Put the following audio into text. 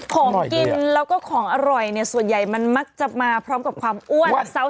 ของกินแล้วก็ของอร่อยเนี่ยส่วนใหญ่มันมักจะมาพร้อมกับความอ้วน